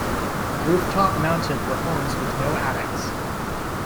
Rooftop Mounted for homes with no attics.